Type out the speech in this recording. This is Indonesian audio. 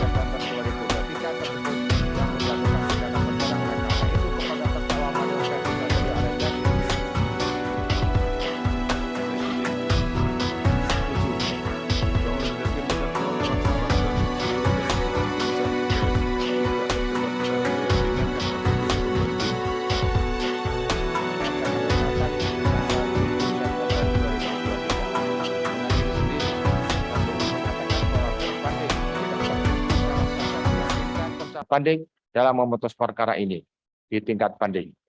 pemutus perkara ini di tingkat banding